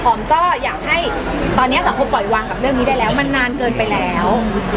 ก็อยากให้ตอนนี้สังคมปล่อยวางกับเรื่องนี้ได้แล้วมันนานเกินไปแล้ว